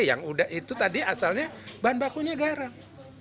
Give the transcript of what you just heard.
yang udah itu tadi asalnya bahan bakunya garam